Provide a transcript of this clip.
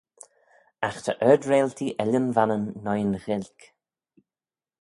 Agh ta ard-reiltee Ellan Vannin noi'n Ghaelg.